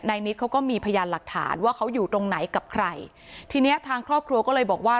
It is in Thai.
นิดเขาก็มีพยานหลักฐานว่าเขาอยู่ตรงไหนกับใครทีเนี้ยทางครอบครัวก็เลยบอกว่า